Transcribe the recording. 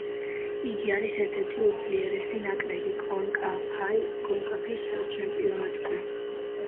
იგი არის ერთ-ერთი უძლიერესი ნაკრები კონკაკაფის ჩემპიონატზე.